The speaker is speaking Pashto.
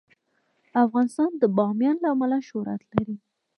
افغانستان د بامیان له امله شهرت لري.